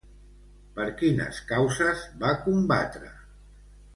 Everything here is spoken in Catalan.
Per quines causes va combatre?